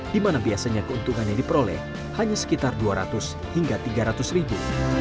di mana biasanya keuntungan yang diperoleh hanya sekitar dua ratus hingga tiga ratus ribu